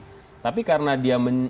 lebih tapi karena dia